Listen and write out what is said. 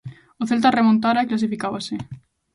O Celta remontara e clasificábase.